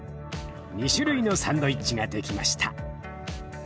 ２種類のサンドイッチが出来ました。